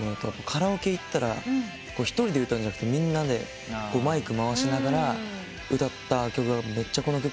カラオケ行ったら一人で歌うんじゃなくてみんなでマイク回しながら歌った曲がめっちゃこの曲多くて。